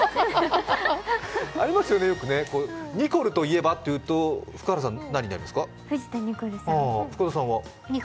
ありますよね、よく、ニコルといえば福原さん、何になりますか？